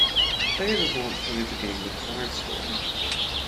Players advance through the game with Thrive Score.